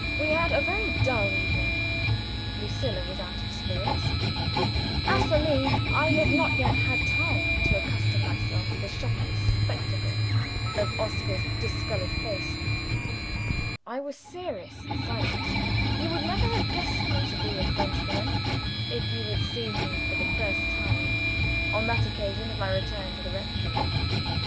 We had a very dull evening. Lucilla was out of spirits. As for me, I had not yet had time to accustom myself to the shocking spectacle of Oscar's discolored face. I was serious and silent. You would never have guessed me to be a Frenchwoman, if you had seen me for the first time on the occasion of my return to the rectory.